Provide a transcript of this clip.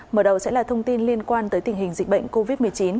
mở đầu sẽ là thông tin liên quan tới tình hình dịch bệnh covid một mươi chín